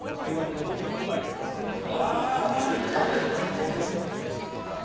想像して。